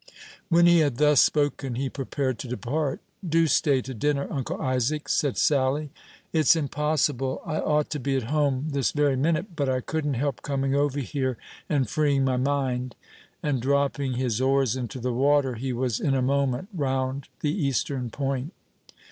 When he had thus spoken he prepared to depart. "Do stay to dinner, Uncle Isaac," said Sally. "It's impossible; I ought to be at home this very minute; but I couldn't help coming over here and freeing my mind;" and, dropping his oars into the water, he was in a moment round the eastern point.